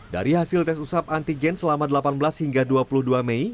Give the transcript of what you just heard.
dari hasil tes usap antigen selama delapan belas hingga dua puluh dua mei